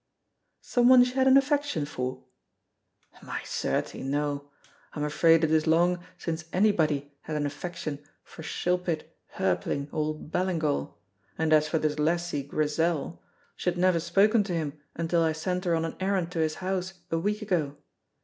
"Some one she had an affection for?" "My certie, no! I'm afraid it is long since anybody had an affection for shilpit, hirpling, old Ballingall, and as for this lassie Grizel, she had never spoken to him until I sent her on an errand to his house a week ago.